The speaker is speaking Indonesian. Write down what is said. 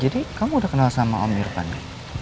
jadi kamu udah kenal sama om irvani